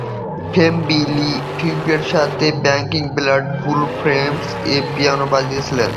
ফেম বিলি ফিউরির সাথে তার ব্যাকিং ব্যান্ড, ব্লু ফ্লেমস এ পিয়ানো বাজিয়েছিলেন।